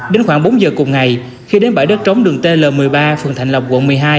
đến khoảng bốn giờ cùng ngày khi đến bãi đất trống đường tl một mươi ba phường thạnh lộc quận một mươi hai